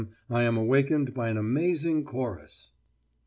I am awakened by an amazing chorus.